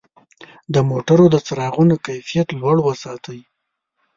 د موټرو د څراغونو کیفیت لوړ وساتئ.